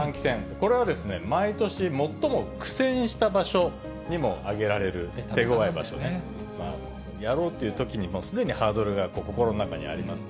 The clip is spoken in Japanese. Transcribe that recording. これはですね、毎年最も苦戦した場所にも挙げられる手ごわい場所で、やろうっていうときに、すでにハードルが心の中にあります。